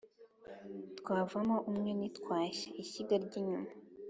Twavamo umwe ntitwarya-Ishyiga ry'inyuma.